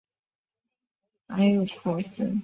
埃斯库利。